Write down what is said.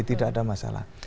tidak ada masalah